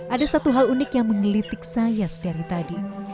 ada satu hal unik yang mengelitik saya sedari tadi